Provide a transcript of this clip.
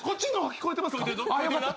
聞こえてるな？